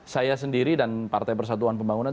saya sendiri dan partai persatuan pembangunan